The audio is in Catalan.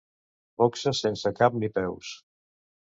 Boxes sense cap ni peus.